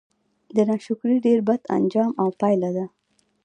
د ناشکرۍ ډير بد آنجام او پايله ده